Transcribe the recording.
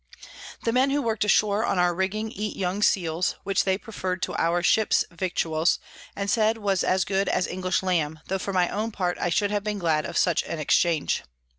The Men who work'd ashore on our Rigging eat young Seals, which they prefer'd to our Ships Victuals, and said was as good as English Lamb; tho for my own part I should have been glad of such an Exchange.